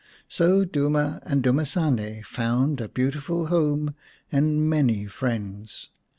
So Duma and Dumasane found a beauti ful home and many friends.